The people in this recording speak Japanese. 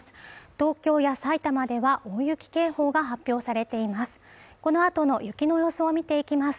東京や埼玉では大雪警報が発表されています